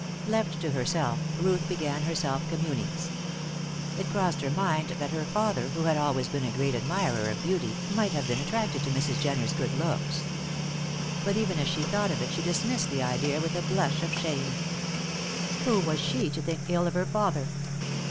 Left to herself, Ruth began her self communings. It crossed her mind that her father, who had always been a great admirer of beauty, might have been attracted by Mrs. Jenner's good looks. But even as she thought of it she dismissed the idea with a blush of shame. Who was she to think ill of her father?